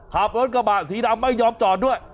ขับรถกระบะสีดำไม่ยอมจอดด้วย